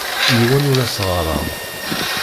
Yiwen ur as-ɣɣareɣ.